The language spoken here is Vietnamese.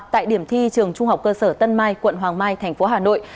tại điểm thi trường trung học cơ sở tân mai quận hoàng mai tp hà nội